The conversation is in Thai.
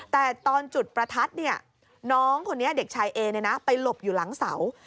แต่ตอนจุดประทัดน้องคนนี้เด็กชายเอไปหลบอยู่หลังเสา